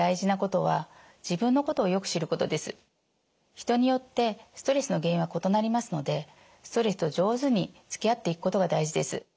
人によってストレスの原因は異なりますのでストレスと上手につきあっていくことが大事です。